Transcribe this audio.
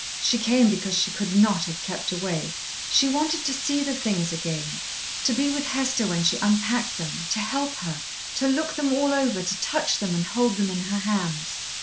She came because she could not have kept away. She wanted to see the things again, to be with Hester when she unpacked them, to help her, to look them all over, to touch them and hold them in her hands.